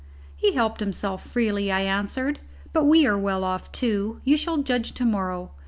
"He helped himself freely," I answered, "but we are well off too. You shall judge to morrow.